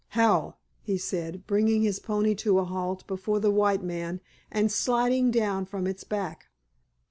"How!" he said, bringing his pony to a halt before the white man and sliding down from its back.